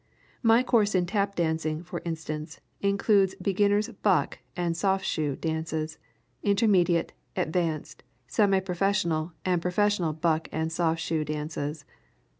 My course in tap dancing, for instance, includes beginners' "buck" and "soft shoe" dances, intermediate, advanced, semi professional and professional "buck" and "soft shoe" dances.